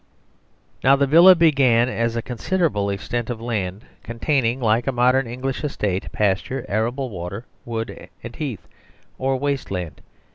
Now the Villa began as a considerable extent of land, containing, likeamodern English estate, pasture, arable, water, wood and heath, or waste land.